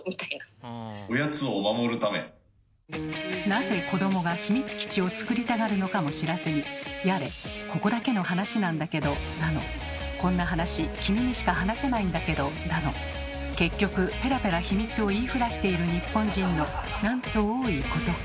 なぜ子どもが秘密基地を作りたがるのかも知らずにやれ「ここだけの話なんだけど」だの「こんな話君にしか話せないんだけど」だの結局ペラペラ秘密を言い触らしている日本人のなんと多いことか。